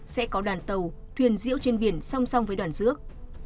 sẽ có đoàn tàu thuyền diễu trên biển song song với đoàn rước